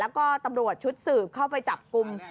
แล้วก็ตำรวจชุดสืบเข้าไปจับกลุ่ม